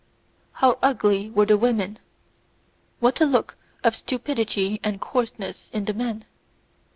How ugly were the women! What a look of stupidity and coarseness in the men!